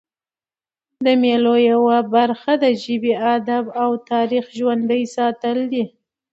د مېلو یوه برخه د ژبي، ادب او تاریخ ژوندي ساتل دي.